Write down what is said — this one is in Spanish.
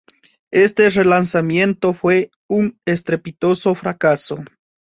Este relanzamiento fue un estrepitoso fracaso.